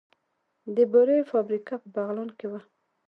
د بورې فابریکه په بغلان کې وه